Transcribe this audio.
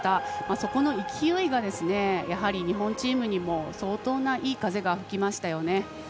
そこの勢いがやはり日本チームにも相当ないい風が吹きましたよね。